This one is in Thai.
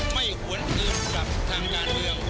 ไม่หวนอื่นกับทางงานเรียง